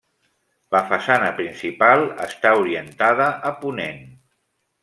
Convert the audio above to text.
La façana principal està orientada a ponent.